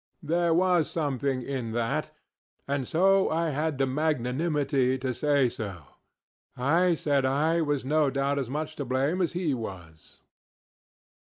ŌĆØ There was something in that, and so I had the magnanimity to say so. I said I was no doubt as much to blame as he was.